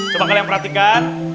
coba kalian perhatikan